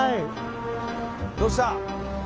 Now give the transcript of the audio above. どうした！